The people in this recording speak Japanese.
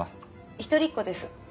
一人っ子です。